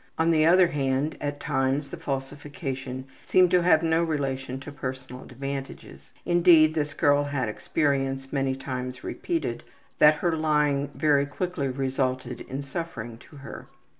On the other hand, at times the falsification seemed to have no relation to personal advantages. Indeed, this girl had experience, many times repeated, that her lying very quickly resulted in suffering to her.